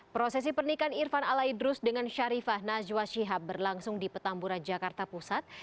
prosesi pernikahan irfan alaidrus dengan syarifah najwa shihab berlangsung di petamburan jakarta pusat